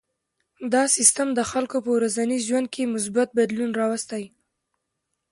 دا سیستم د خلکو په ورځني ژوند کې مثبت بدلون راوستی.